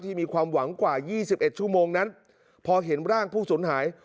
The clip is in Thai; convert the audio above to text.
ที่มีความหวังกว่ายี่สิบเอ็ดชั่วโมงนั้นพอเห็นร่างผู้สูญหาย